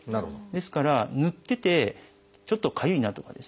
ですからぬっててちょっとかゆいなとかですね